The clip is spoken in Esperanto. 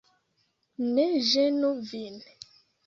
Ne ĝenu vin!